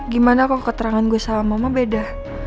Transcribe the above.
gimana kok keterangan gue sama mama beda